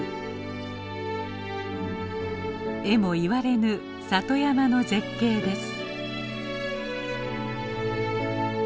えも言われぬ里山の絶景です。